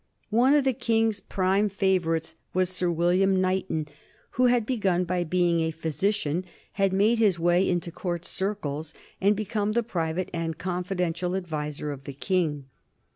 One of the King's prime favorites was Sir William Knighton, who had begun by being a physician, had made his way into Court circles, and become the private and confidential adviser of the King.